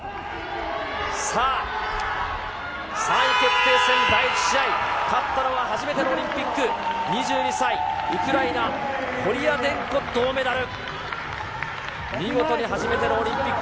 さあ、３位決定戦第１試合、勝ったのは初めてのオリンピック、２２歳、ウクライナ、コリアデンコ、銅メダル。